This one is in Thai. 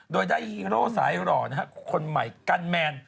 โดยได้ฮีโร่สายหล่อนะฮะคนใหม่กันแมน